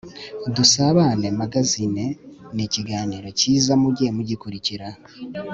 dusabane magazine nikigaaniro cyiza mujye mugikurikira